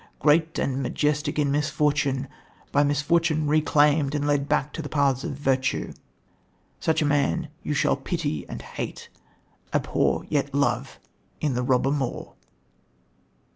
Great and majestic in misfortune, by misfortune reclaimed and led back to the paths of virtue. Such a man shall you pity and hate, abhor yet love in the robber Moor."